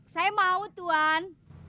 saya mau tuan